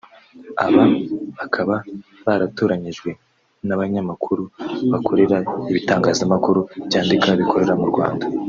Aba bakaba baratoranyijwe n’abanyamakuru bakorera ibitangazamakuru byandika bikorera mu Rwanda